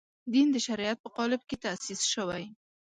دین د شریعت په قالب کې تاسیس شوی.